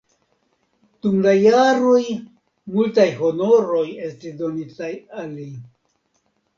Dum la jaroj multaj honoroj estis donitaj al li.